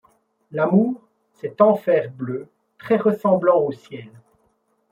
L'amour, cet enfer bleu très ressemblant au ciel